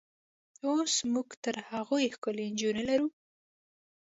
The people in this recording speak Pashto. اوس موږ تر هغوی ښکلې نجونې لرو.